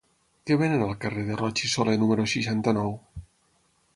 Què venen al carrer de Roig i Solé número seixanta-nou?